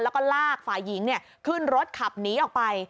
แล้วก็ลากฝ่ายหญิงขึ้นรถขับหนีออกไป